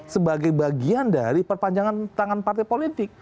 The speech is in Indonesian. sebagai bagian dari perpanjangan tangan partai politik